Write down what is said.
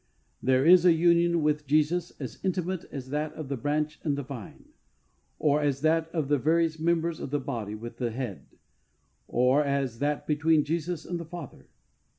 There is a union with Jesus as intimate as that of the branch and the vine, or as that of the various members of the body with the head, or as that between Jesus and the Father.